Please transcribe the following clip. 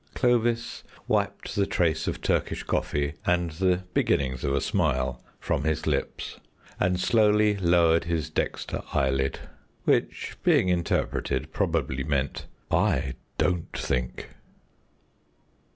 Clovis wiped the trace of Turkish coffee and the beginnings of a smile from his lips, and slowly lowered his dexter eyelid. Which, being interpreted, probably meant, "I DON'T think!"